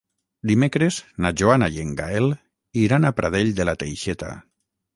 Dimecres na Joana i en Gaël iran a Pradell de la Teixeta.